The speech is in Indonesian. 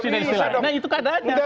nah itu keadaannya